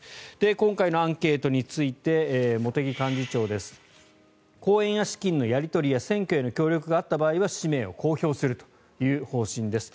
今回のアンケートについて茂木幹事長です講演や資金のやり取りや選挙への協力があった場合は氏名を公表するという方針です。